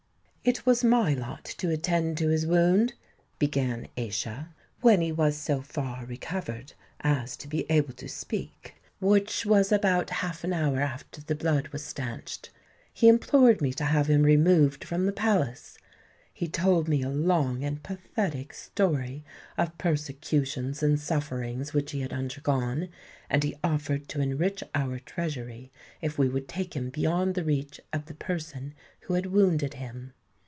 "It was my lot to attend to his wound," began Aischa. "When he was so far recovered as to be able to speak—which was about half an hour after the blood was stanched—he implored me to have him removed from the Palace. He told me a long and pathetic story of persecutions and sufferings which he had undergone; and he offered to enrich our treasury if we would take him beyond the reach of the person who had wounded him.